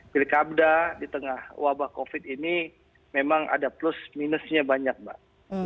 pilkada di tengah wabah covid ini memang ada plus minusnya banyak mbak